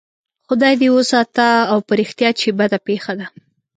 خدای دې وساته او په رښتیا چې بده پېښه ده.